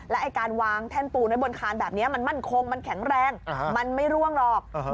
ไอ้การวางแท่นปูนไว้บนคานแบบนี้มันมั่นคงมันแข็งแรงมันไม่ร่วงหรอก